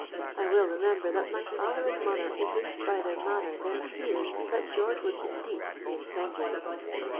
I well remember that my father and mother evinced by their manner their fears that George was indeed the incendiary.